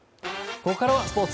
ここからはスポーツ。